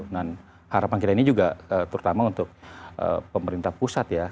harapan kita ini juga terutama untuk pemerintah pusat ya